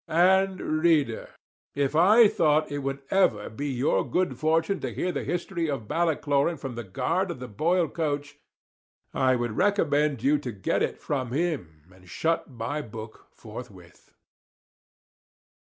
And, reader, if I thought it would ever be your good fortune to hear the history of Ballycloran from the guard of the Boyle coach, I would recommend you to get it from him, and shut my book forthwith.